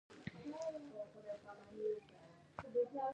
خو ما په دې خبرو پسې سر نه ګرځاوه.